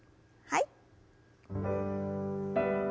はい。